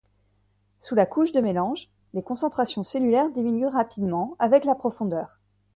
Sous la couche de mélange, les concentrations cellulaires diminuent rapidement avec la profondeur.